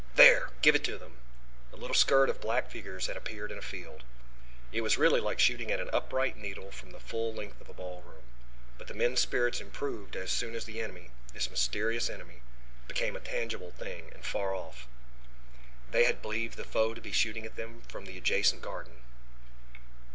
There! Give it to them!" A little skirt of black figures had appeared in a field. It was really like shooting at an upright needle from the full length of a ballroom. But the men's spirits improved as soon as the enemy this mysterious enemy became a tangible thing, and far off. They had believed the foe to be shooting at them from the adjacent garden.